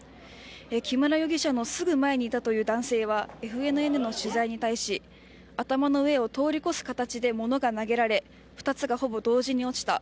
木村容疑者のすぐ前にいたという男性はＦＮＮの取材に対し頭の上を通り越す形で物が投げられ２つがほぼ同時に落ちた。